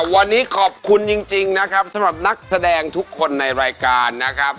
วันนี้ขอบคุณจริงนะครับสำหรับนักแสดงทุกคนในรายการนะครับ